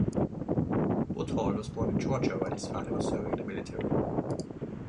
Woodhall was born in Georgia while his father was serving in the military.